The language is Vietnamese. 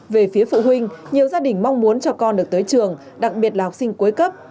về phía phụ huynh nhiều gia đình mong muốn cho con được tới trường đặc biệt là học sinh cuối cấp